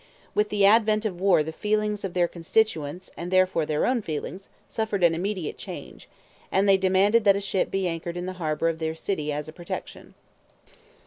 With the advent of war the feelings of their constituents, and therefore their own feelings, suffered an immediate change, and they demanded that a ship be anchored in the harbor of their city as a protection.